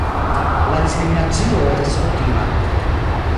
La diskriminacio estis kutima.